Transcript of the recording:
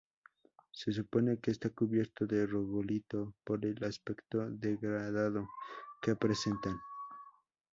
Se supone que está cubierto de regolito por el aspecto degradado que presentan.